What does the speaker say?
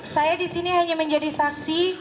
saya disini hanya menjadi saksi